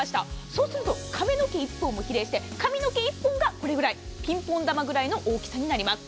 そうすると髪の毛１本と比較して髪の毛１本がこれぐらい、ピンポン球ぐらいの大きさになります。